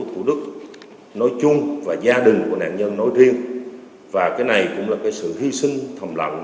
thủ đức nói chung và gia đình của nạn nhân nói riêng và cái này cũng là cái sự hy sinh thầm lặng